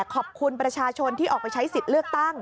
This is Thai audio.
ขอบคุณประชาชนที่ออกไปใช้สิทธิ์เลือกตั้ง